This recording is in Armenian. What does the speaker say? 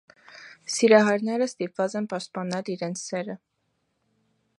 Սիրահարները ստիպված են պաշտպանել իրենց սերը։